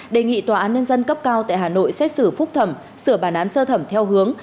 đề nghị tòa án nhân dân cấp cao tại hà nội xét xử phúc thẩm sửa bản án sơ thẩm theo hướng